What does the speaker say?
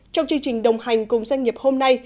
trong chương trình đồng hành cùng doanh nghiệp hôm nay